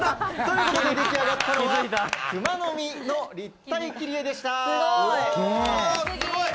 ということで出来上がったのはクマノミの立体切り絵でした。